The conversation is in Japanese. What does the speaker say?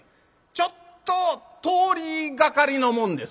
ちょっと通りがかりのもんです」。